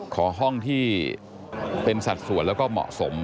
ห้องที่เป็นสัดส่วนแล้วก็เหมาะสม